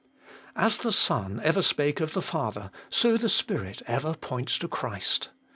4. As the Son ever spake of the Father, so the Spirit ever points to Christ.